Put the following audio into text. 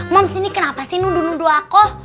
mams ini kenapa sih nudu nudu aku